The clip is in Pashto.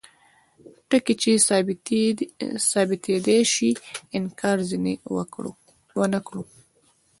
ټکي چې ثابتیدای شي انکار ځینې ونکړو.